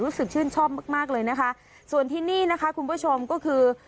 ชื่นชอบมากมากเลยนะคะส่วนที่นี่นะคะคุณผู้ชมก็คือ